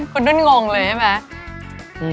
คุณนุ่นงงเลยใช่ไหม